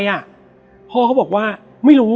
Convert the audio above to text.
และวันนี้แขกรับเชิญที่จะมาเชิญที่เรา